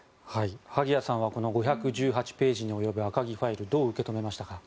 萩谷さんはこの５１８ページに及ぶ赤木ファイルをどう受け止めましたか？